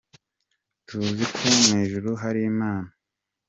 Tuzi ko mu ijuru hari Imana,